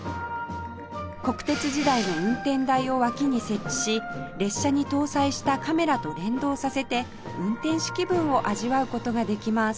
国鉄時代の運転台を脇に設置し列車に搭載したカメラと連動させて運転士気分を味わう事ができます